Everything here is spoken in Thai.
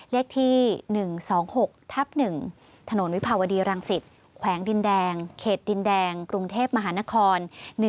เลขที่๑๒๖ทับ๑ถนนวิภาวดีรังสิตแขวงดินแดงเขตดินแดงกรุงเทพมหานคร